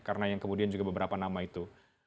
karena yang kemudian juga beberapa nama itu